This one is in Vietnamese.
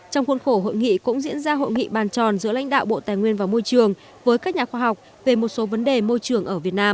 các nhà khu vực cũng diễn ra hội nghị bàn tròn giữa lãnh đạo bộ tài nguyên và môi trường